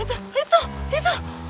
oh itu itu